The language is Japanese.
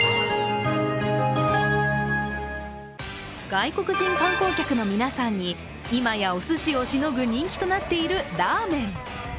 外国人観光客の皆さんに今、おすしをしのぐ人気となっているラーメン。